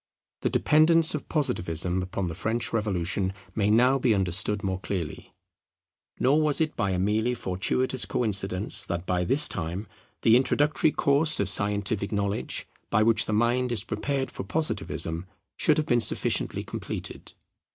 The dependence of Positivism upon the French Revolution may now be understood more clearly. Nor was it by a merely fortuitous coincidence that by this time the introductory course of scientific knowledge by which the mind is prepared for Positivism should have been sufficiently completed.